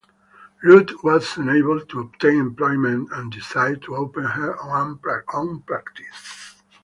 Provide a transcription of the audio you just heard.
Root was unable to obtain employment and decided to open her own practice.